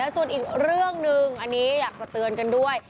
ซู่อีกเรื่องนึงอันนี้อยากเตือนกันด้วย